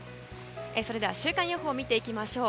それでは週間予報を見ていきましょう。